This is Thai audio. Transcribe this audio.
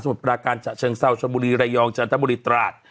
สมุทรประการจะเชิงเส่าชรบุรีระยองเจนตะบุรีตราต